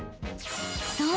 ［そう！